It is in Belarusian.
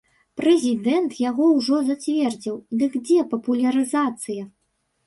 Прэзідэнт яго ўжо зацвердзіў, дык дзе папулярызацыя?